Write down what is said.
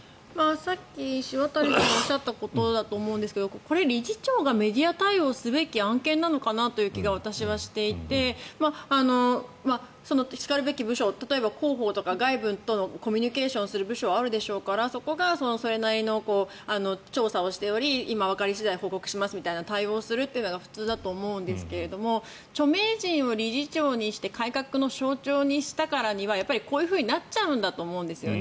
さっき石渡さんがおっしゃったことだと思うんですがこれ、理事長がメディア対応すべき案件なのかなという気が私はしていてしかるべき部署例えば広報とか外部とコミュニケーションする部署はあるでしょうからあるでしょうからそこがそれなりの調査をしておりわかり次第報告しますという対応をするのが普通だと思いますが著名人を理事長にして改革の象徴にしたからにはこういうふうになると思うんですよね。